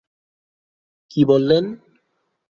কি বললেন?